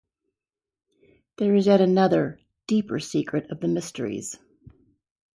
There is yet another, deeper secret of the mysteries.